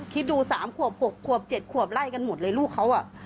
คิดดู๓ขวบ๖ขวบ๗ขวบไล่กันหมดเลยลูกเขา